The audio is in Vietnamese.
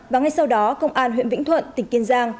và ngay sau đó công an huyện vĩnh thuận tỉnh kiên giang